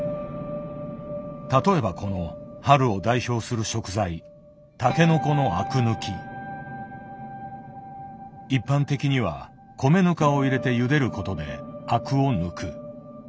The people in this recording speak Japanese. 例えばこの春を代表する食材タケノコの一般的には米ぬかを入れてゆでることでアクを抜く。